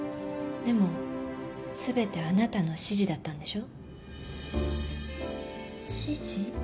でも全てあなたの指示だったんでしょ？指示？